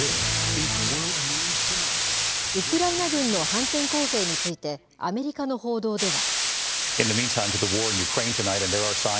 ウクライナ軍の反転攻勢について、アメリカの報道では。